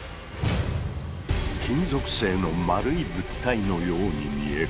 金属製の丸い物体のように見える。